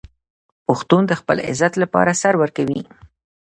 پښتون د خپل عزت لپاره سر ورکوي.